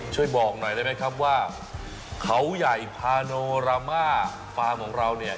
ช่วยบอกหน่อยได้ไหมครับว่าเขาใหญ่พาโนรามาฟาร์มของเราเนี่ย